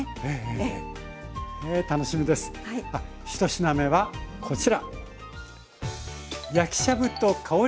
１品目はこちら。